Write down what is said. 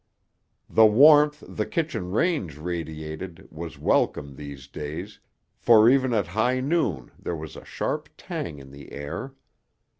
The warmth the kitchen range radiated was welcome these days, for even at high noon there was a sharp tang in the air.